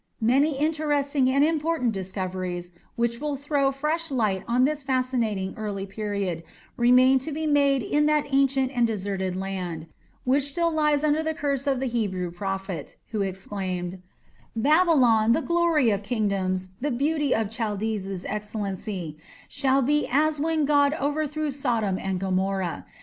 Many interesting and important discoveries, which will throw fresh light on this fascinating early period, remain to be made in that ancient and deserted land, which still lies under the curse of the Hebrew prophet, who exclaimed: "Babylon, the glory of kingdoms, the beauty of the Chaldees' excellency, shall be as when God overthrew Sodom and Gomorrah.